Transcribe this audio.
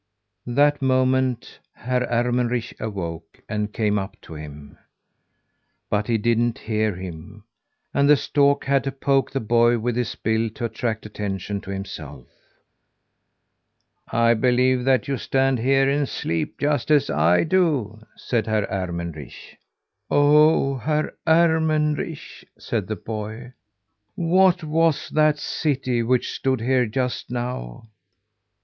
That moment Herr Ermenrich awoke, and came up to him. But he didn't hear him, and the stork had to poke the boy with his bill to attract attention to himself. "I believe that you stand here and sleep just as I do," said Herr Ermenrich. "Oh, Herr Ermenrich!" said the boy. "What was that city which stood here just now?"